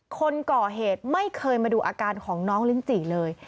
คนก่อเหตุไม่เคยมาดูอาการของน้องลิ้นจี่เลย